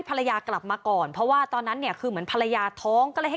ภรรยากลับมาก่อนเพราะว่าตอนนั้นเนี่ยคือเหมือนภรรยาท้องก็เลยให้